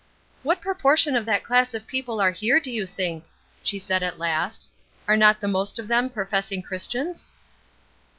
"What proportion of that class of people are here, do you think?" she said, at last. "Are not the most of them professing Christians?"